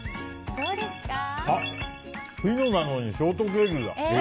ピノなのにショートケーキだ！